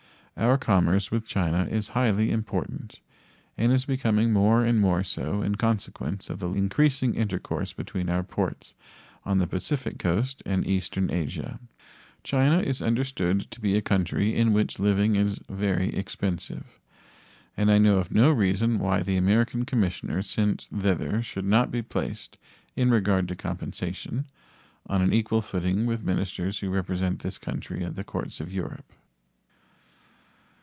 Our commerce with China is highly important, and is becoming more and more so in consequence of the increasing intercourse between our ports on the Pacific Coast and eastern Asia. China is understood to be a country in which living is very expensive, and I know of no reason why the American commissioner sent thither should not be placed, in regard to compensation, on an equal footing with ministers who represent this country at the Courts of Europe.